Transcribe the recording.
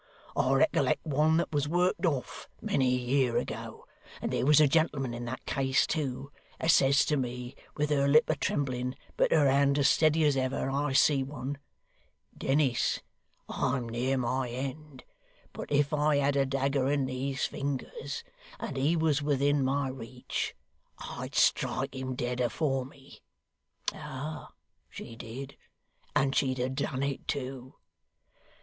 I recollect one that was worked off, many year ago and there was a gentleman in that case too that says to me, with her lip a trembling, but her hand as steady as ever I see one: "Dennis, I'm near my end, but if I had a dagger in these fingers, and he was within my reach, I'd strike him dead afore me;" ah, she did and she'd have done it too!